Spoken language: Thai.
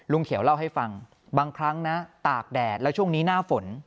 เขียวเล่าให้ฟังบางครั้งนะตากแดดแล้วช่วงนี้หน้าฝน